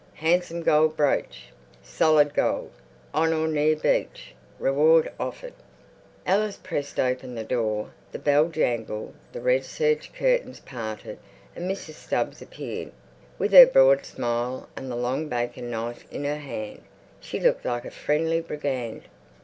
HANSOME GOLE BROOCH SOLID GOLD ON OR NEAR BEACH REWARD OFFERED Alice pressed open the door. The bell jangled, the red serge curtains parted, and Mrs. Stubbs appeared. With her broad smile and the long bacon knife in her hand, she looked like a friendly brigand.